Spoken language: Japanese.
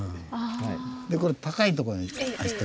でこれ高いとこに走ってた。